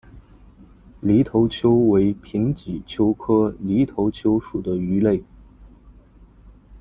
犁头鳅为平鳍鳅科犁头鳅属的鱼类。